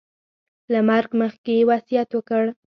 له مرګه مخکې یې وصیت وکړ.